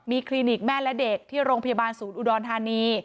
มีคลินิกแม่และเด็กที่โรงพยาบาลศูนย์อุดรธานี